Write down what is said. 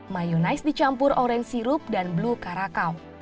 mayonaise dicampur orange sirup dan blue karakau